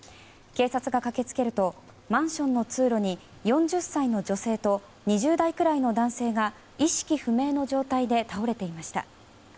警察が駆け付けるとマンションの通路に４０歳の女性と２０代ぐらいの男性が意識不明の状態で倒れていました。